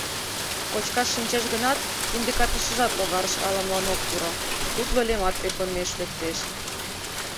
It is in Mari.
Кочкаш шинчеш гынат, кинде катышыжат логарыш ала-молан ок пуро, тутло лемат ӧкымеш лектеш.